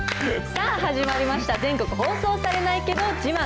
さあ、始まりました、全国放送されないけど自慢。